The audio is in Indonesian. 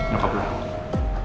ya makasih mas